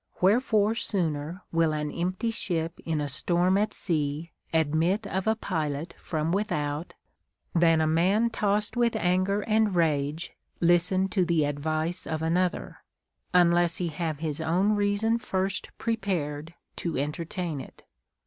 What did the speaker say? AVherefore sooner will an empty ship in a storm at sea admit of a pilot from without, than a man tossed with anger and rage listen to the advice of another, unless he have his own reason first prepared to entertain it.